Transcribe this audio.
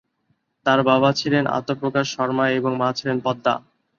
তার বাবা ছিলেন আত্মপ্রকাশ শর্মা ও মা ছিলেন পদ্মা।